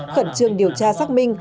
khẩn trương điều tra xác minh